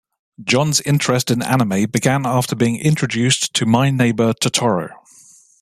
John's interest in anime began after being introduced to My Neighbor Totoro.